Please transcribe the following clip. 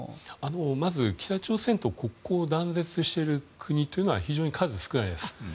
まず、北朝鮮と国交を断絶している国というのは非常に数少ないです。